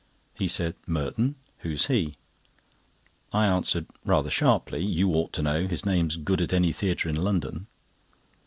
He said: "Merton? Who's he?" I answered, rather sharply: "You ought to know, his name's good at any theatre in London."